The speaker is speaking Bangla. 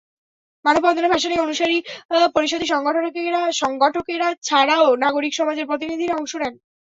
মানববন্ধনে ভাসানী অনুসারী পরিষদের সংগঠকেরা ছাড়াও নাগরিক সমাজের প্রতিনিধিরা অংশ নেন।